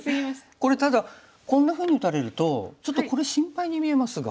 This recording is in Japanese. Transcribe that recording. これただこんなふうに打たれるとちょっとこれ心配に見えますが。